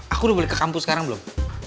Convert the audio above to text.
aku udah balik ke kampus sekarang belum